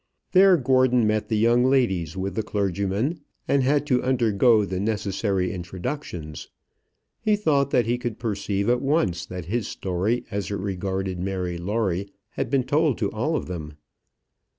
There Gordon met the young ladies with the clergyman, and had to undergo the necessary introductions. He thought that he could perceive at once that his story, as it regarded Mary Lawrie, had been told to all of them.